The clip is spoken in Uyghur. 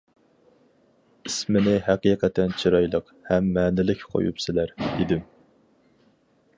-ئىسمىنى ھەقىقەتەن چىرايلىق ھەم مەنىلىك قويۇپسىلەر، دېدىم.